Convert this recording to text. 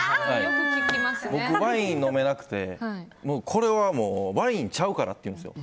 僕ワイン飲めなくてこれはワインちゃうからって言うんですよ。